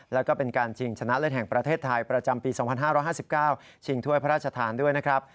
แล้วก็เป็นการชิงชนะเลิศแห่งประเทศไทยประจำปี๒๕๕๙ชิงถ้วยพระราชทานด้วยนะครับ